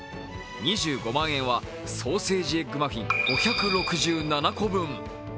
２５万円はソーセージエッグマフィン５６７個分。